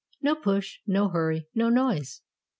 No push, no hurry, no noise.